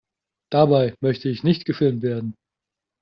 Dabei möchte ich nicht gefilmt werden!